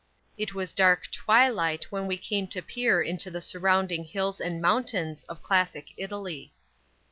It was dark twilight when we came to peer into the surrounding hills and mountains of classic Italy.